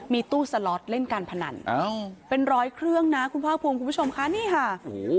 มีตู้สล็อตเล่นการพนันอ้าวเป็นร้อยเครื่องนะคุณภาคภูมิคุณผู้ชมค่ะนี่ค่ะโอ้โห